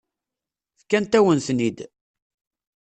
Fkant-awen-ten-id.